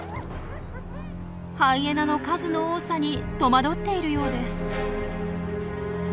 ハイエナの数の多さにとまどっているようです。